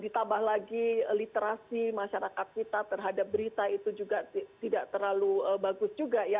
ditambah lagi literasi masyarakat kita terhadap berita itu juga tidak terlalu bagus juga ya